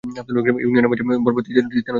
ইউনিয়নের মাঝ বরাবর তিস্তা নদী প্রবাহিত হয়েছে।